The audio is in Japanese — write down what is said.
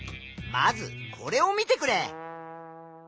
まずこれを見てくれ。